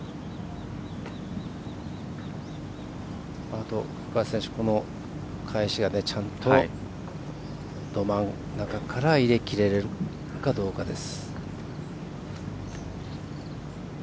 あとは古川選手、返しがちゃんとど真ん中から入れきれるかどうかです。